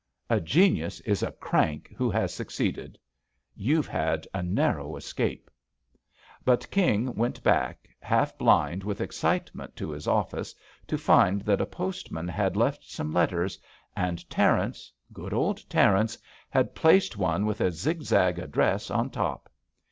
"A genius is a crank who has succeeded. YouVe had a narrow escape." But King went back half blind with excite ment to his office to find that a postman had left some letters, and Terence, good old Ter ence, had placed one with a zigzag address on top.